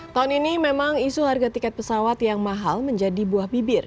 tahun ini memang isu harga tiket pesawat yang mahal menjadi buah bibir